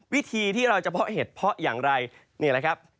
วิธีที่เราจะเพาะเห็ดเพาะอย่างไรนี่แหละครับ